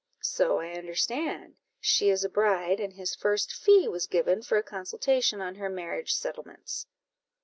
"So I understand; she is a bride, and his first fee was given for a consultation on her marriage settlements."